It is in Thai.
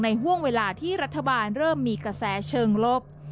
ห่วงเวลาที่รัฐบาลเริ่มมีกระแสเชิงลบ